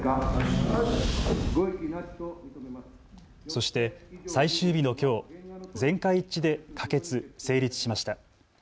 そして、最終日のきょう、全会一致で可決・成立しました。